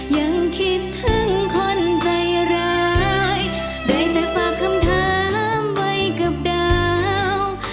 ยังคิดถึงคนใจร้ายได้แต่ฝากคำถามไว้กับดาว